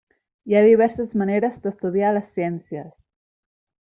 Hi ha diverses maneres d'estudiar les ciències.